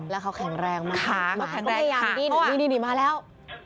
แล้วเขาแข็งแรงมากนี่มาแล้ว